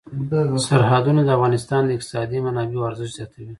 سرحدونه د افغانستان د اقتصادي منابعو ارزښت زیاتوي.